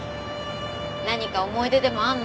何か思い出でもあんの？